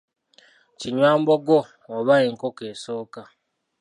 Kinywambogo oba enkoko esooka.